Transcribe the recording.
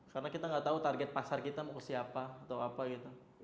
karena kita gak tau target pasar kita mau ke siapa atau apa gitu